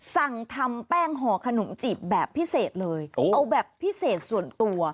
สั่งทำแป้งห่อขนมจีบแบบพิเศษเลยเอาแบบพิเศษส่วนตัว